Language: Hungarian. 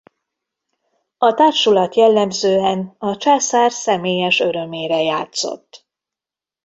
A társulat jellemzően a császár személyes örömére játszott.